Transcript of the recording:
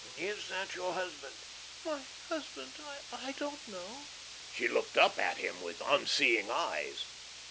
"Is that your husband?" "My husband I don't know." She looked up at him with unseeing eyes.